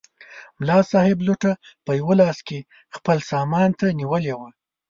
ملا صاحب لوټه په یوه لاس کې خپل سامان ته نیولې وه.